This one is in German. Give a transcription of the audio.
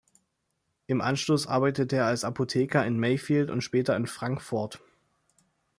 Im Anschluss arbeitete er als Apotheker in Mayfield und später in Frankfort.